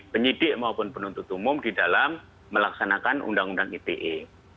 penyidik maupun penuntut umum di dalam melaksanakan undang undang ite